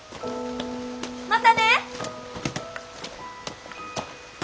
またね！